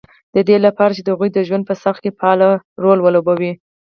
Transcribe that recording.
د دې لپاره چې د هغوی د ژوند په څرخ کې فعال رول ولوبوي